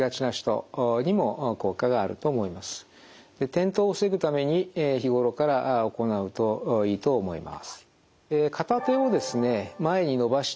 転倒を防ぐために日頃から行うといいと思います。